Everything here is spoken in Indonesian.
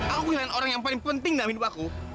aku kehilangan orang yang paling penting dalam hidup aku